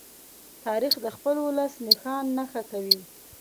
تاریخ د خپل ولس نښان نښه کوي.